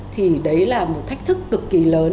thì đấy là một thách thức cực kỳ lớn